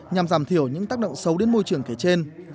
nhằm giảm thiểu những tác động xấu đến môi trường kể trên